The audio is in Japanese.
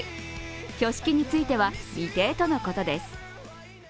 挙式については未定とのことです。